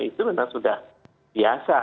itu memang sudah biasa